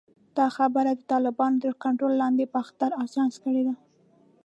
دا خبره د طالبانو تر کنټرول لاندې باختر اژانس کړې ده